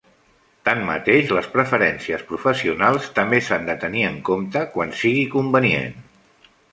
Tanmateix, les preferències professionals també s'han de tenir en compte quan sigui convenient.